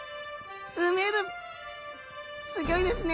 すギョいですね！